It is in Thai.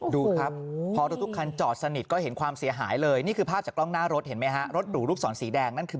ดูครับพอรถทุกคันจอดสนิทก็เห็นความเสียหายเลยนี่คือภาพจากกล้องหน้ารถเห็นไหมฮะรถหรูลูกศรสีแดงนั่นคือ